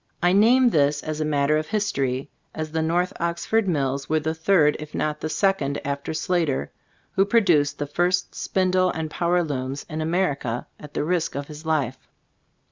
I name this as a matter of history, as the North Oxford Mills were the third, if not the second after Slater, who produced the first spindle and power looms in America, at the risk of his life.